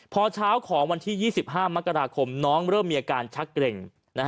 พอเช้าของวันที่๒๕มกราคมน้องเริ่มมีอาการชักเกร็ง